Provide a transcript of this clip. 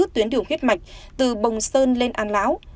tuyến đường huyết mạch từ bồng sơn lên an lão